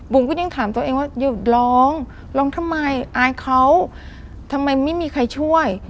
ก็ยังถามตัวเองว่าหยุดร้องร้องทำไมอายเขาทำไมไม่มีใครช่วย